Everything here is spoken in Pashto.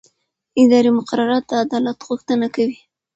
اداري مقررات د عدالت غوښتنه کوي.